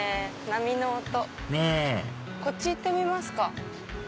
波の音。ねぇこっち行ってみますか。